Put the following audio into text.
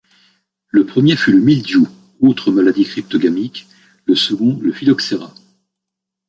Le premier fut le mildiou, autre maladie cryptogamique, le second le phylloxéra.